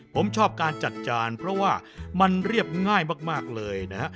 ผมชอบการจัดจานเพราะว่ามันเรียบง่ายมากเลยนะฮะ